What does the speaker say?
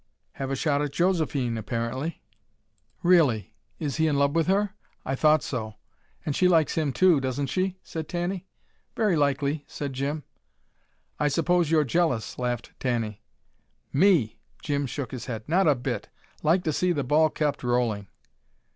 "Have a shot at Josephine, apparently." "Really? Is he in love with her? I thought so. And she likes him too, doesn't she?" said Tanny. "Very likely," said Jim. "I suppose you're jealous," laughed Tanny. "Me!" Jim shook his head. "Not a bit. Like to see the ball kept rolling."